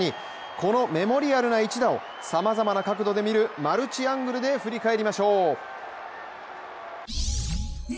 このメモリアルな一打をさまざまな角度で見るマルチアングルで振り返りましょう。